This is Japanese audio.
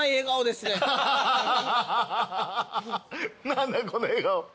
何だこの笑顔。